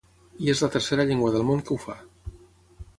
I és la tercera llengua del món que ho fa.